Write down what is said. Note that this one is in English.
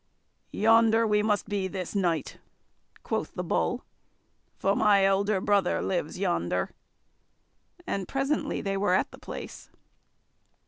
"Yonder we must be this night," quoth the Bull; "for my elder brother lives yonder;" and presently they were at the place.